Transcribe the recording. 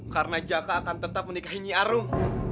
karena jaka akan tetap menikahi nyi arum